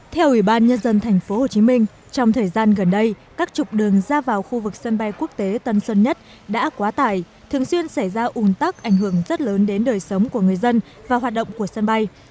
theo ủy ban nhân dân tp hcm trong thời gian gần đây các trục đường ra vào khu vực sân bay quốc tế tân sơn nhất đã quá tải thường xuyên xảy ra ủn tắc ảnh hưởng rất lớn đến đời sống của người dân và hoạt động của sân bay